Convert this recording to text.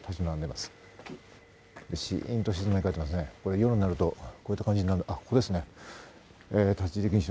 夜になると、こういった感じになるんですかね。